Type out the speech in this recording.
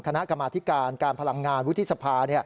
คณะกรรมาธิการการพลังงานวุฒิสภา